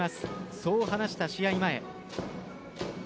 そう話した試合前。